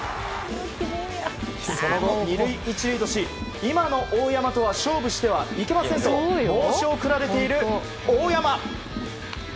その後、２塁１塁とし今の大山とは勝負してはいけませんと申し送られている大山。